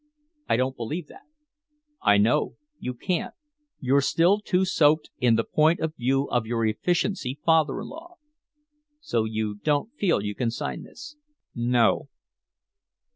"I don't believe that." "I know. You can't. You're still too soaked in the point of view of your efficiency father in law." "So you don't feel you can sign this?" "No."